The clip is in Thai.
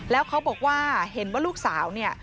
แล้วเขาบอกว่าเห็นว่าลูกสาวเนี่ย